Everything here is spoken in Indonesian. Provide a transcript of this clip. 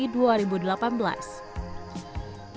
dan juga di dalam perjalanan ke dunia